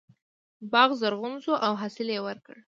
باغ زرغون شو او حاصل یې ورکړ.